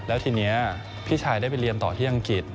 แล้วทีนี้พี่ชายได้ไปเรียนต่อที่อังกฤษ